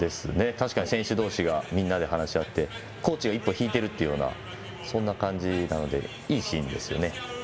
確かに選手同士がみんなで話し合ってコーチが一歩引いてるというようなそんな感じなのでいいシーンですね。